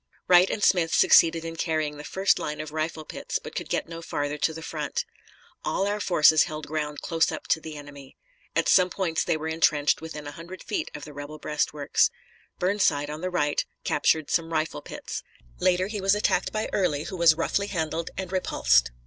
Wright and Smith succeeded in carrying the first line of rifle pits, but could get no farther to the front. All our forces held ground close up to the enemy. At some points they were intrenched within a hundred feet of the rebel breastworks. Burnside, on the right, captured some rifle pits. Later he was attacked by Early, who was roughly handled and repulsed.